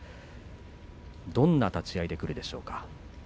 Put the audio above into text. どんな立ち合いでくるでしょうか。